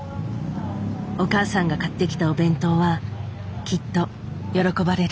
お母さんが買ってきたお弁当はきっと喜ばれる。